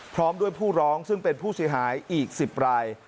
พร้อมด้วยผู้ร้องซึ่งเป็นผู้เสียหายอีก๑๐ราย